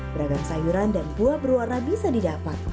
beragam sayuran dan buah berwarna bisa didapat